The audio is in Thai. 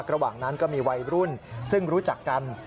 ระหว่างนั้นก็มีวัยรุ่นซึ่งรู้จักกัน